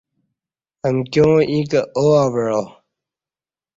امکیاں ییں کہ او اوعا